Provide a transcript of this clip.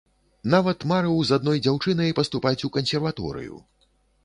Нават марыў з адной дзяўчынай паступаць у кансерваторыю.